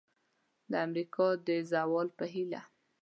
د امریکا د زوال په هیله!